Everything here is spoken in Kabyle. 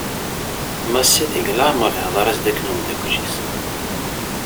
Massi deg leɛmer ihder-as-d akken umddakel-is.